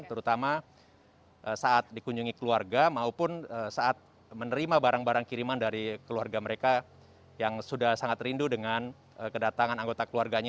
terutama saat dikunjungi keluarga maupun saat menerima barang barang kiriman dari keluarga mereka yang sudah sangat rindu dengan kedatangan anggota keluarganya